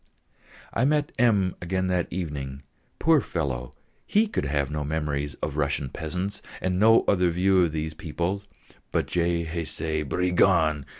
I met M. again that evening. Poor fellow! he could have no memories of Russian peasants, and no other view of these people but: "_Je haïs ces brigands!